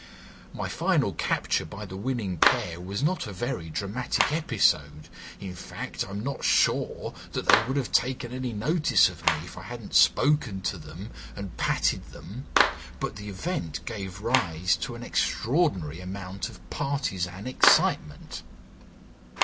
My final capture by the winning pair was not a very dramatic episode, in fact, I'm not sure that they would have taken any notice of me if I hadn't spoken to them and patted them, but the event gave rise to an extraordinary amount of partisan excitement.